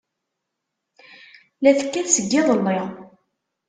La tekkat seg yiḍelli.